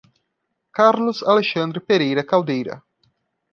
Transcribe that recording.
Carlos Alexandre Pereira Caldeira